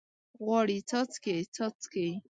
غواړي څاڅکي، څاڅکي